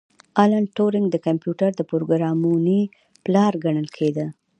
الن ټورینګ د کمپیوټر د پروګرامونې پلار ګڼل کیده